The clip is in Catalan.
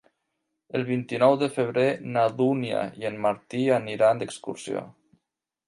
El vint-i-nou de febrer na Dúnia i en Martí aniran d'excursió.